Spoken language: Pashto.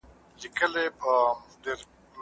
کوم کتابونه چي ما لوستي دي ډېر مهم دي.